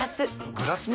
グラスも？